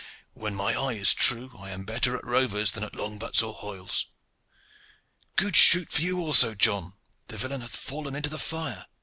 When my eye is true, I am better at rovers than at long butts or hoyles. A good shoot for you also, John! The villain hath fallen forward into the fire.